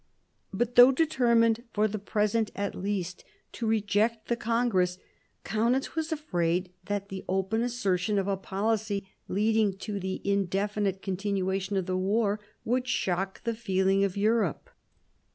But though determined, for the present at least, to reject the congress, Kaunitz was afraid that the open assertion of a policy leading to the indefinite continuation of the war would shock the feeling of Europe.